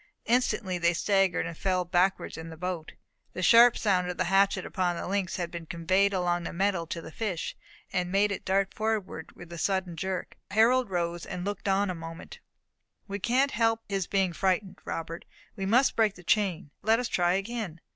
Instantly they staggered, said fell backwards in the boat. The sharp sound of the hatchet upon the links had been conveyed along the metal to the fish, and made it dart forward with a sudden jerk. Harold rose, and looked on a moment. "We can't help his being frightened, Robert. We must break the chain. Let us try again."